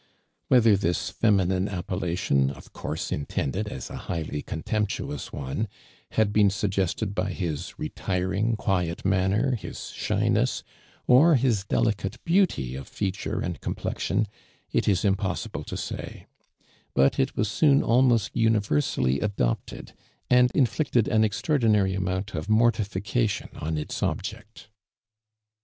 Whether this feminine ajipellation, ofcour.«e intended as a highly contemptuous one, had been suggested by his retiring, quiet manner, his shyness, or his delicate beauty of feature and complexion, it is impossible to say, but it was soon almost universally adopted, ami inflicted an extraordinaiy amount of mortification on its object.